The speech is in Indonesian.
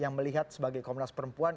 yang melihat sebagai komnas perempuan